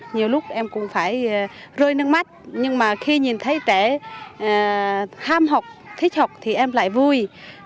nhiều lúc em cũng phải rơi nước mắt nhưng mà khi nhìn thấy trẻ ham học thích học thì em lại vui